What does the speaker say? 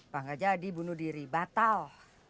bagaimana jadi bunuh diri batal